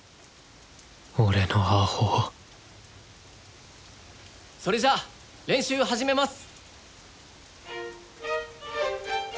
俺のアホそれじゃあ練習始めます。